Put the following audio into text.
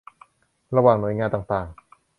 ระหว่างหน่วยงานต่างต่าง